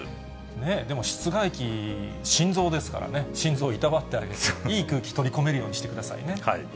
でも室外機、心臓ですからね、心臓労わってあげて、いい空気取り込めるようにしてくださいね。